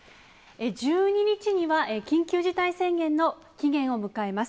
１２日には、緊急事態宣言の期限を迎えます。